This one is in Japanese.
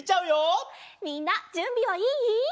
みんなじゅんびはいい？